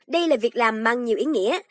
đây là việc làm mang nhiều ý nghĩa